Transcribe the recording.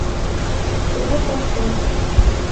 اوبه نشته